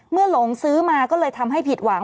หลงซื้อมาก็เลยทำให้ผิดหวัง